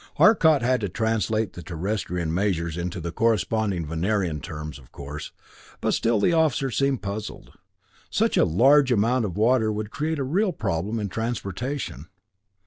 Arcot had to translate the Terrestrian measures into the corresponding Venerian terms, of course, but still the officer seemed puzzled. Such a large amount of water would create a real problem in transportation.